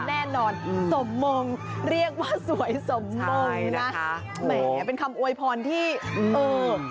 แน่นอนสมมงเรียกว่าสวยสมมงนะคะแหมเป็นคำอวยพรที่เออ